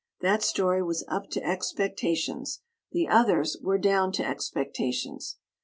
That story was up to expectations. The others were down to expectations.